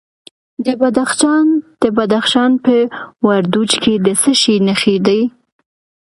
د بدخشان په وردوج کې د څه شي نښې دي؟